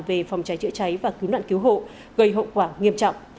về phòng trái chữa trái và cứu nạn cứu hộ gây hậu quả nghiêm trọng